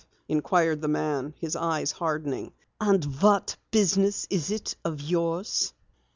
inquired the man, his eyes hardening. "And what business is it of yours?"